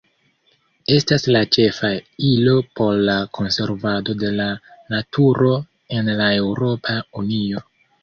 Estas la ĉefa ilo por la konservado de la naturo en la Eŭropa Unio.